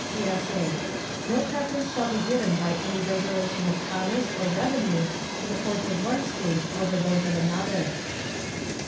[CSA] No preference shall be given by any regulation of commerce or revenue to the ports of one State over those of another.